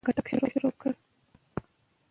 دوی غوښتل چي پر تجارتي لارو واک ولري.